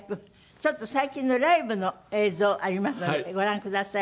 ちょっと最近のライブの映像ありますのでご覧ください